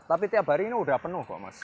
tapi tiap hari ini udah penuh mas